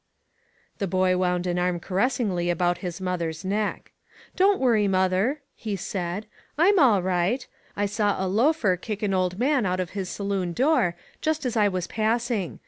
The boy wound an arm caressingly about his mother's neck. DISCIPLINE. 343 "Don't worry, mother," he safd. "I'm all right. I saw a loafer kick an old man out of his saloon door, just as I was pass ing.